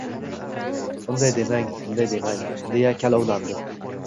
— Unday demang, unday demang... — deya kalovlandi.